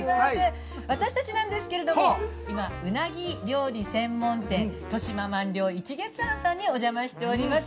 私たちなんですけれども、今、うなぎ料理専門店、豊島鰻寮一月庵さんにお邪魔しております。